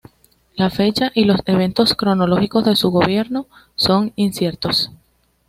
La fecha y los eventos cronológicos de su gobierno son inciertos.